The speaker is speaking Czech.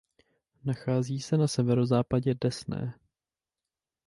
Nachází se na severozápadě Desné.